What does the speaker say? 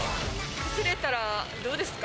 崩れたら、どうですか？